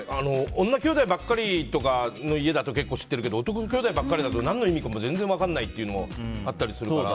女きょうだいばっかりの家だと知っているけど男きょうだいの家だと何の意味かも全然分からないってのがあったりするから。